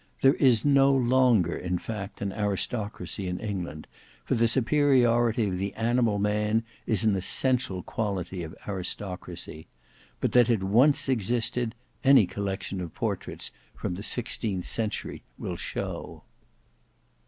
There is no longer in fact an aristocracy in England, for the superiority of the animal man is an essential quality of aristocracy. But that it once existed, any collection of portraits from the sixteenth century will show.